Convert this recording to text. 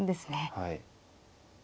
はい。